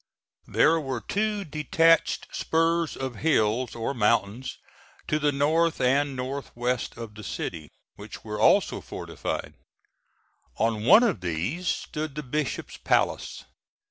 There were two detached spurs of hills or mountains to the north and northwest of the city, which were also fortified. On one of these stood the Bishop's Palace.